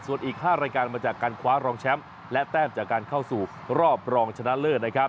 ส่วนอีก๕รายการมาจากการคว้ารองแชมป์และแต้มจากการเข้าสู่รอบรองชนะเลิศนะครับ